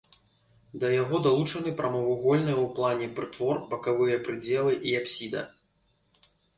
Да яго далучаны прамавугольныя ў плане прытвор, бакавыя прыдзелы і апсіда.